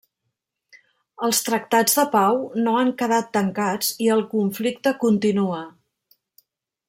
Els tractats de pau no han quedat tancats i el conflicte continua.